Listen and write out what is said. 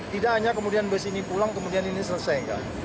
tidak hanya kemudian bus ini pulang kemudian ini selesai